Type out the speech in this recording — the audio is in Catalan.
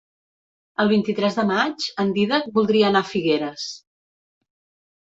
El vint-i-tres de maig en Dídac voldria anar a Figueres.